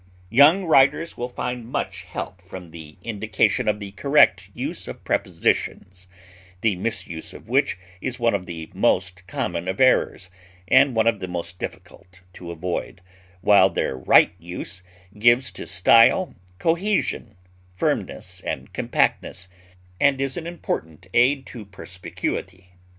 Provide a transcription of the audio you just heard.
Young writers will find much help from the indication of the correct use of prepositions, the misuse of which is one of the most common of errors, and one of the most difficult to avoid, while their right use gives to style cohesion, firmness, and compactness, and is an important aid to perspicuity.